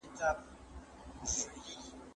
نوموړي یوازي د پانګوني عایداتي اغېزې وڅېړلې.